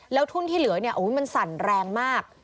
แล้วทุ่นที่เหลือเนี่ยมันสั่นแรงมาก